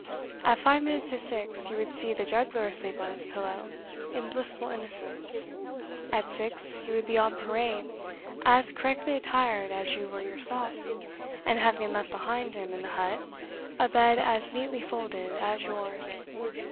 At five minutes to six you would see the juggler asleep on his pillow, in blissful innocence; at six he would be on parade, as correctly attired as you were yourself, and having left behind him, in the hut, a bed as neatly folded as yours.